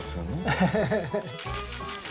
アハハハハ。